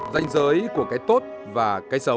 danh giới của cái tốt và cái xấu